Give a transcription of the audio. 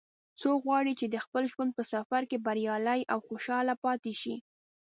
څوک غواړي چې د خپل ژوند په سفر کې بریالی او خوشحاله پاتې شي